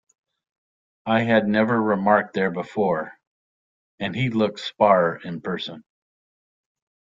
I had never remarked there before; and he looked sparer in person.